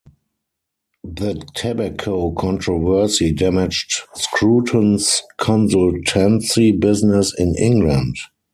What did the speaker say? The tobacco controversy damaged Scruton's consultancy business in England.